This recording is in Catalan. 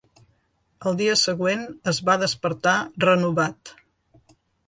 El dia següent es va despertar renovat.